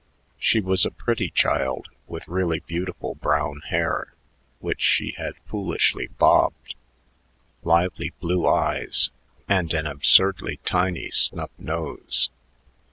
She was a pretty child with really beautiful brown hair, which she had foolishly bobbed, lively blue eyes, and an absurdly tiny snub nose.